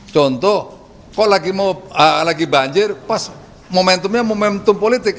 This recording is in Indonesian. contoh kok lagi banjir pas momentumnya momentum politik